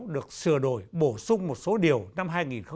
được sửa đổi bổ sung một số điều năm hai nghìn hai